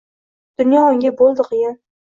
Dunyo unga boʼldi qiyin.